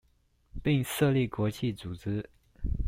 並設立國際組織